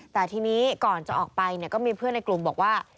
แต่ทีนี้ก่อนจะออกไปเนี่ยก็มีเพื่อนในกลุ่มบอกว่า